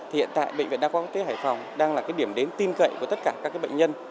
hiện tại bệnh viện đa khoa quốc tế hải phòng đang là điểm đến tin cậy của tất cả các bệnh nhân